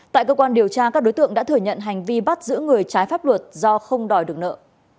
tại cơ quan điều tra các đối tượng đã thừa nhận hành vi bắt giữ người trái pháp luật do không đòi được nợ